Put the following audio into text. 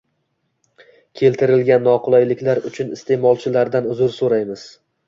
Keltirilgan noqulayliklar uchun isteʼmolchilardan uzr soʻraymiz.